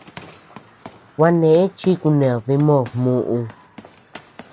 Gua neʼë chi kuned dimod muʼu.